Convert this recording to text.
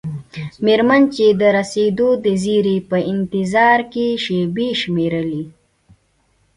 میرمن چې د رسیدو د زیري په انتظار کې شیبې شمیرلې.